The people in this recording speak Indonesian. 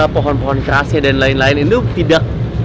pohon pohon kerasnya dan lain lain itu tidak